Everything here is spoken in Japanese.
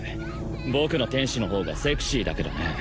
僕の天使の方がセクシーだけどね